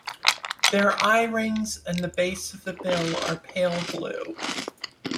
Their eye-rings and the base of the bill are pale blue.